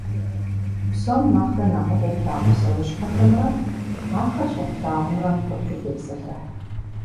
Псом нэхърэ нэхъыфӏу плъагъу псэущхьэхэмрэ ахэр щӏэплъагъумрэ къытхутепсэлъыхь.